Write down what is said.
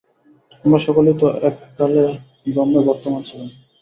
আমরা সকলেই তো এককালে ব্রহ্মে বর্তমান ছিলাম।